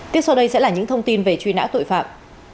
tiếp sau đây sẽ là những thông tin về truy nã tội phạm